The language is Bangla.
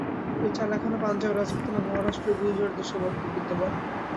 ঐ চাল এখনও পাঞ্জাব, রাজপুতানা, মহারাষ্ট্র ও গুর্জর দেশে বিদ্যমান।